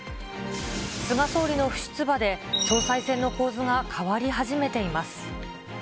菅総理の不出馬で、総裁選の構図が変わり始めています。